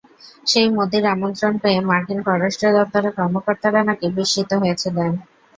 সেই মোদির আমন্ত্রণ পেয়ে মার্কিন পররাষ্ট্র দপ্তরের কর্মকর্তারা নাকি বিস্মিত হয়েছিলেন।